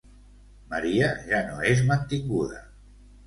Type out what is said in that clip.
Maria ja no és mantinguda.